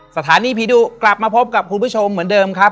สถานีผีดุกลับมาพบกับคุณผู้ชมเหมือนเดิมครับ